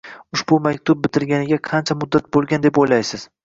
Ushbu maktub bitilganiga qancha muddat bo‘lgan deb o‘ylaysiz?